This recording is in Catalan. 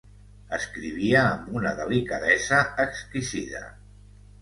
Escrivia amb una delicadesa exquisida.